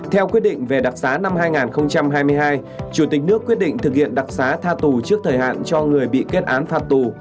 theo quyết định về đặc xá năm hai nghìn hai mươi hai chủ tịch nước quyết định thực hiện đặc xá tha tù trước thời hạn cho người bị kết án phạt tù